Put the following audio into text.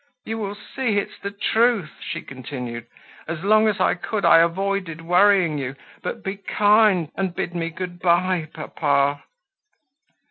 "You will see, it's the truth," she continued. "As long as I could I avoided worrying you; but be kind now, and bid me good bye, papa."